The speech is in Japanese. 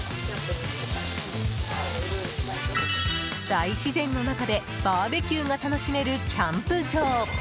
大自然の中でバーベキューが楽しめるキャンプ場。